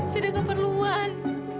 saya udah keperluan